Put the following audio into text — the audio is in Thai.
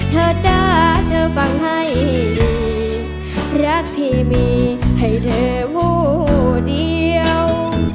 เธอจ้าเธอฟังให้ดีรักที่มีให้เธอผู้เดียว